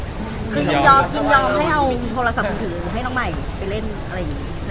ยินยอมให้เอาโทรศัพท์มือถือให้น้องใหม่ไปเล่นอะไรนี้